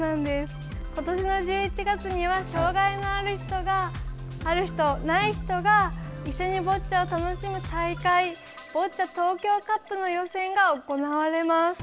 今年の１１月には障がいのある人、ない人が一緒にボッチャを楽しむ大会ボッチャ東京カップの予選が行われます。